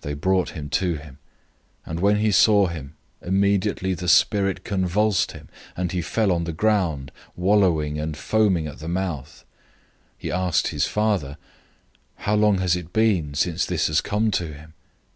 009:020 They brought him to him, and when he saw him, immediately the spirit convulsed him, and he fell on the ground, wallowing and foaming at the mouth. 009:021 He asked his father, "How long has it been since this has come to him?"